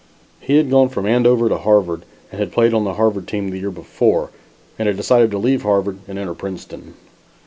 He had gone from Andover to Harvard and had played on the Harvard team the year before, and had decided to leave Harvard and enter Princeton.